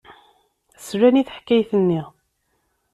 Slan i teḥkayt-nni.